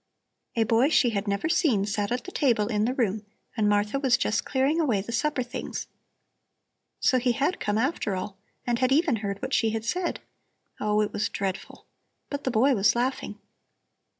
A boy she had never seen sat at the table in the room and Martha was just clearing away the supper things. So he had come after all and had even heard what she had said. Oh, it was dreadful! But the boy was laughing.